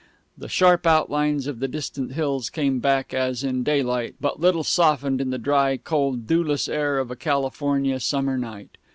The sharp outlines of the distant hills came back, as in daylight, but little softened in the dry, cold, dewless air of a California summer night.